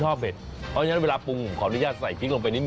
หอมหวานจริง